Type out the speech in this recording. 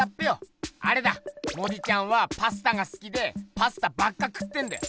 あれだモディちゃんはパスタがすきでパスタばっか食ってんだよ。